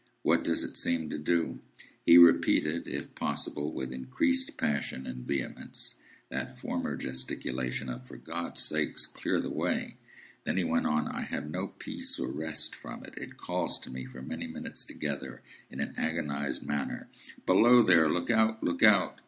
"What does it seem to do?" He repeated, if possible with increased passion and vehemence, that former gesticulation of, "For God's sake, clear the way!" Then he went on. "I have no peace or rest for it. It calls to me, for many minutes together, in an agonised manner, 'Below there! Look out! Look out!